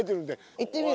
行ってみる？